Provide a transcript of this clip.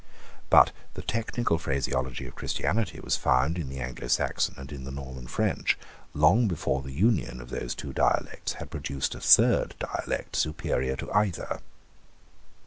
But the technical phraseology of Christianity was found in the Anglosaxon and in the Norman French, long before the union of those two dialects had, produced a third dialect superior to either.